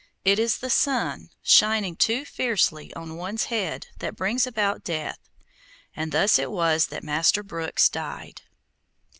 It is the sun shining too fiercely on one's head that brings about death, and thus it was that Master Brookes died.